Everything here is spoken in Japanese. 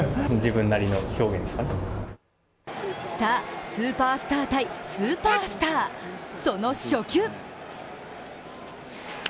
さぁ、スーパースター対スーパースター、その初球。